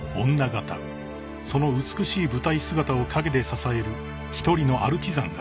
［その美しい舞台姿を陰で支える一人のアルチザンがいる］